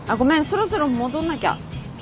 そろそろ戻んなきゃ。